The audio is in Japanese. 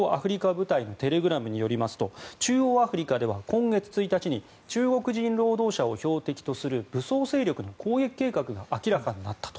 部隊のテレグラムによりますと中央アフリカでは今月１日に中国人労働者を標的とする武装勢力の攻撃計画が明らかになった。